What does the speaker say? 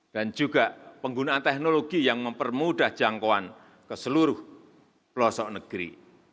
dan juga penggunaan teknologi yang mempermudah jangkauan ke seluruh pelosok negeri